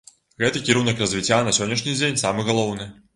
Гэты кірунак развіцця на сённяшні дзень самы галоўны.